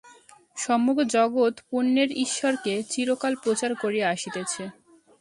সমগ্র জগৎ পুণ্যের ঈশ্বরকে চিরকাল প্রচার করিয়া আসিতেছে।